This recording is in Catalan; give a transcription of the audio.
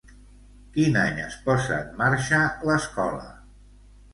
Quin any es posa en marxa l'escola?